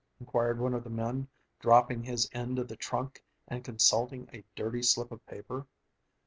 inquired one of the men, dropping his end of the trunk and consulting a dirty slip of paper.